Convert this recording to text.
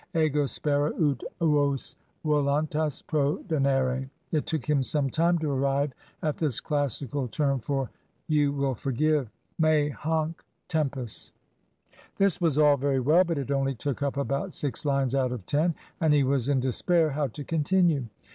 Ego spero ut vos voluntas prodonnere," (it took him some time to arrive at this classical term for "you will forgive") "me hanc tempus." This was all very well, but it only took up about six lines out of ten, and he was in despair how to continue.